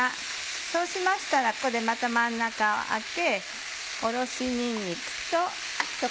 そうしましたらここでまた真ん中を空けおろしにんにくと。